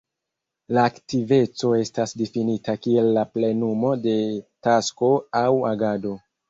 La aktiveco estas difinita kiel la plenumo de tasko aŭ agado.